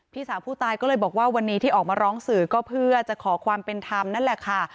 พี่สาวผู้ตายก็เลยบอกว่าวันนี้ที่ออกมาร้องสื่อก็เพื่อจะขอความเป็นธรรมนั่นแหละค่ะ